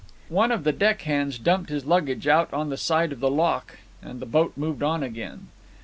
One of the deck hands dumped his luggage out on to the side of the loch and the boat moved on again.